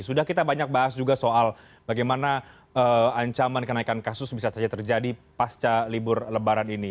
sudah kita banyak bahas juga soal bagaimana ancaman kenaikan kasus bisa saja terjadi pasca libur lebaran ini